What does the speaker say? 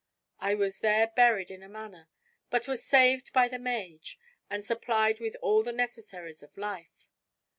I was there buried in a manner; but was saved by the mage; and supplied with all the necessaries of life.